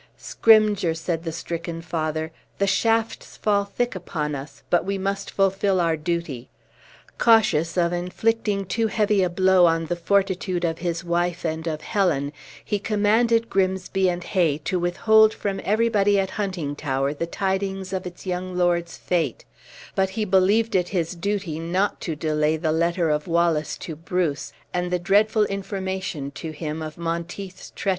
"Scrymgeour," said the stricken father, "the shafts fall thick upon us, but we must fulfill our duty." Cautious of inflicting too heavy a blow on the fortitude of his wife and of Helen, he commanded Grimsby and Hay to withhold from everybody at Huntingtower the tidings of its young lord's fate; but he believed it his duty not to delay the letter of Wallace to Bruce, and the dreadful information to him of Monteith's treachery.